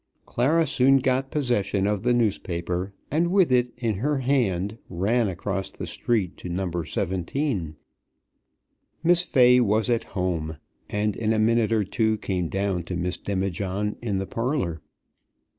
Clara soon got possession of the newspaper, and with it in her hand ran across the street to No. 17. Miss Fay was at Home, and in a minute or two came down to Miss Demijohn in the parlour.